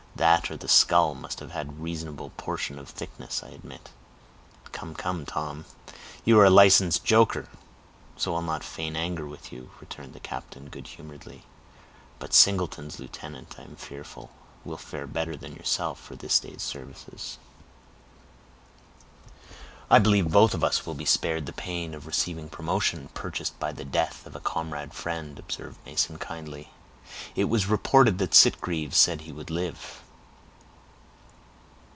"That or the skull must have had a reasonable portion of thickness, I admit." "Come, come, Tom, you are a licensed joker, so I'll not feign anger with you," returned the captain, good humoredly. "But Singleton's lieutenant, I am fearful, will fare better than yourself for this day's service." "I believe both of us will be spared the pain of receiving promotion purchased by the death of a comrade and friend," observed Mason kindly. "It was reported that Sitgreaves said he would live."